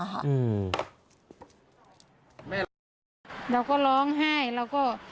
เราก็ร้องไห้เราก็